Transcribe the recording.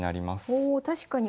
お確かに。